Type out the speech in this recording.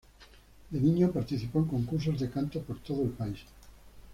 De niño participó en concursos de canto por todo el país.